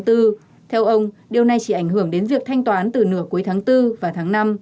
theo ông điều này chỉ ảnh hưởng đến việc thanh toán từ nửa cuối tháng bốn và tháng năm